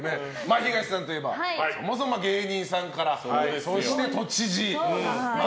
東さんといえば、芸人さんからそして都知事と。